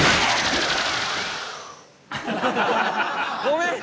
ごめん！